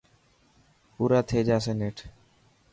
پورا ٿي جاسي نيٺ.